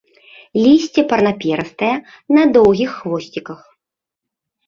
Лісце парнаперыстае, на доўгіх хвосціках.